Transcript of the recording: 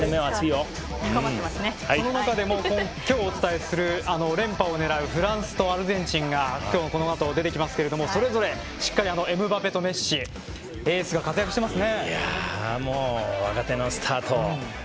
その中でも、今日お伝えする今日、連覇を狙うフランスとアルゼンチンが今日このあと出てきますがそれぞれしっかりエムバペとメッシエースが活躍していますね。